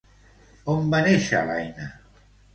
On va néixer l'Aina?